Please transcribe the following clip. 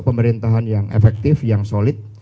pemerintahan yang efektif yang solid